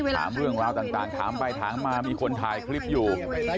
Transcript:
ถามเรื่องราวต่างถามไปถามมามีคนถ่ายคลิปอยู่